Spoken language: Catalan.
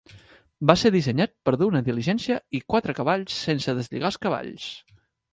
Va ser dissenyat per dur una diligència i quatre cavalls sense deslligar els cavalls.